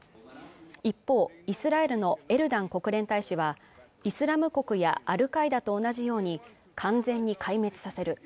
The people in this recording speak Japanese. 一方イスラエルのエルダン国連大使はイスラム国やアルカイダと同じように完全に壊滅させる